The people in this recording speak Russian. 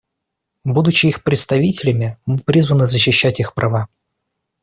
Будучи их представителями, мы призваны защищать их права.